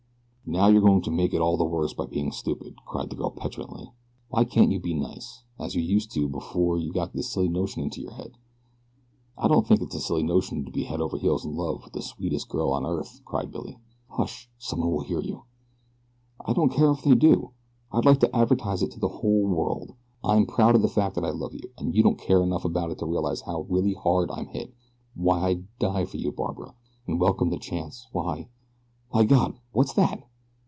"Now you are going to make it all the worse by being stupid," cried the girl petulantly. "Why can't you be nice, as you used to be before you got this silly notion into your head?" "I don't think it's a silly notion to be head over heels in love with the sweetest girl on earth," cried Billy. "Hush! Someone will hear you." "I don't care if they do. I'd like to advertise it to the whole world. I'm proud of the fact that I love you; and you don't care enough about it to realize how really hard I'm hit why I'd die for you, Barbara, and welcome the chance; why My God! What's that?"